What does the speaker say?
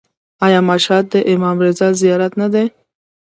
آیا مشهد د امام رضا زیارت نه دی؟